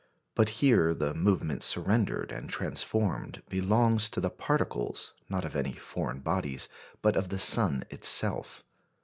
But here the movement surrendered and transformed belongs to the particles, not of any foreign bodies, but of the sun itself.